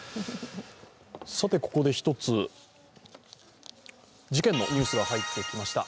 ここで１つ、事件のニュースが入ってきました。